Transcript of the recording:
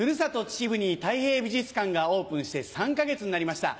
秩父にたい平美術館がオープンして３か月になりました。